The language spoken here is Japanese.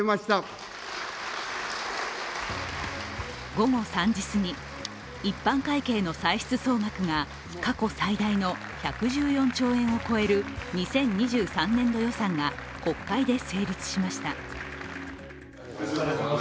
午後３時すぎ、一般会計の歳出総額が過去最大の１１４兆円を超える２０２３年度予算が国会で成立しました。